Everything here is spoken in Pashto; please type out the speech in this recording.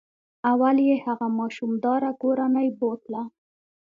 اول یې هغه ماشوم داره کورنۍ بوتله.